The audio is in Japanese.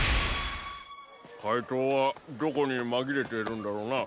かいとうはどこにまぎれているんだろうな。